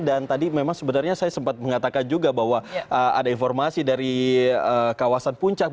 dan tadi memang sebenarnya saya sempat mengatakan juga bahwa ada informasi dari kawasan puncak